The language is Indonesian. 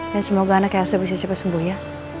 dan semoga anaknya seperti siapa siapa sembuh ya